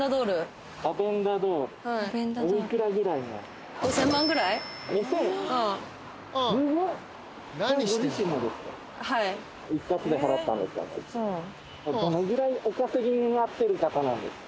どのぐらいお稼ぎになってる方なんです？